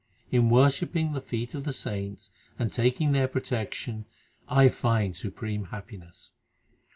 In worshipping the feet of the saints and taking their protection I find supreme happiness.